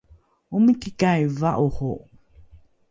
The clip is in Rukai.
omikikai va’oro?